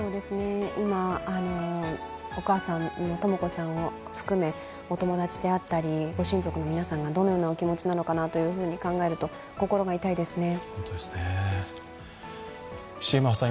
今、お母さんのとも子さんを含めお友達であったり、ご親族の皆さんがどのようなお気持ちなのかなと考えると心が痛いですね。